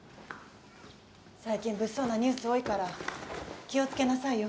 最近物騒なニュース多いから気を付けなさいよ。